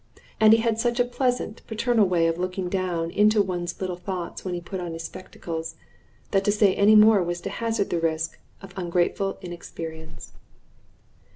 And he had such a pleasant, paternal way of looking down into one's little thoughts when he put on his spectacles, that to say any more was to hazard the risk of ungrateful inexperience.